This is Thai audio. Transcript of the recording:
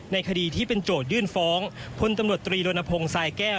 ในคดีที่เป็นโจทยื่นฟ้องพลตำรวจตรีรณพงศ์สายแก้ว